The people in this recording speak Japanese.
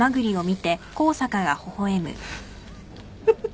フフフ。